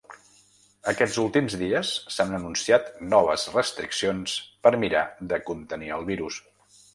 Aquests últims dies, s’han anunciat noves restriccions per mirar de contenir el virus.